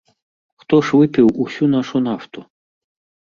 Хто ж выпіў усю нашу нафту?